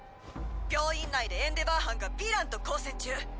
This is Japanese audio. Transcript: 病院内でエンデヴァー班がヴィランと交戦中。